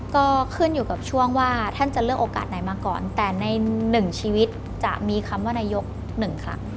ก็ขึ้นอยู่กับช่วงว่าท่านจะเลือกโอกาสไหนมาก่อนแต่ในหนึ่งชีวิตจะมีคำว่านายก๑ครั้ง